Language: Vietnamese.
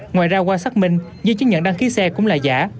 ngoài ra qua xác minh giấy chứng nhận đăng ký xe cũng là giả